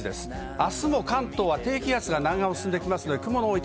明日も関東は低気圧が南岸を進んできます。